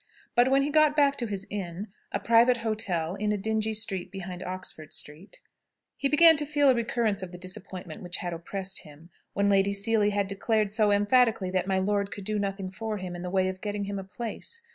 But when he got back to his inn a private hotel in a dingy street behind Oxford Street he began to feel a recurrence of the disappointment which had oppressed him, when Lady Seely had declared so emphatically that my lord could do nothing for him, in the way of getting him a place.